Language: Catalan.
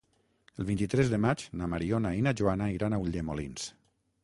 El vint-i-tres de maig na Mariona i na Joana iran a Ulldemolins.